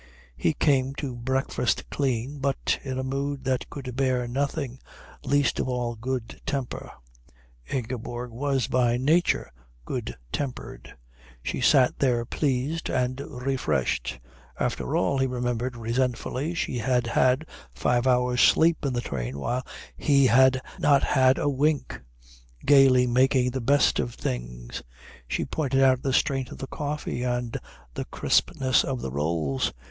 He came to breakfast clean, but in a mood that could bear nothing, least of all good temper. Ingeborg was by nature good tempered. She sat there pleased and refreshed after all, he remembered resentfully, she had had five hours' sleep in the train while he had not had a wink gaily making the best of things. She pointed out the strength of the coffee and the crispness of the rolls.